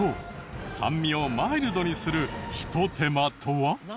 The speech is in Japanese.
酸味をマイルドにするひと手間とは？